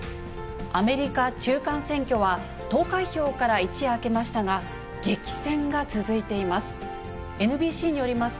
アメリカ中間選挙は、投開票から一夜明けましたが、激戦が続いています。